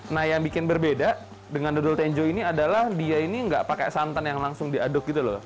nah yang bikin berbeda dengan dodol tenjo ini adalah dia ini nggak pakai santan yang langsung diaduk gitu loh